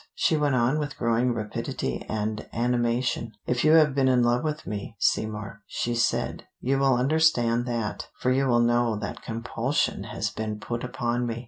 She went on with growing rapidity and animation. "If you have been in love with me, Seymour," she said, "you will understand that, for you will know that compulsion has been put upon me.